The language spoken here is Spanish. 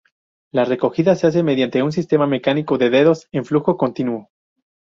La recogida se hace mediante un sistema mecánico de "dedos" en flujo continuo.